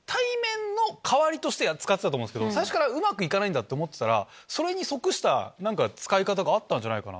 最初からうまく行かないと思ってたらそれに即した使い方があったんじゃないかな。